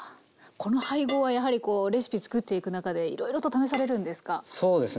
この配合はやはりこうレシピつくっていく中でいろいろと試されるんですか？